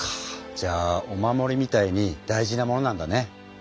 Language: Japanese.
じゃあお守りみたいに大事なものなんだね。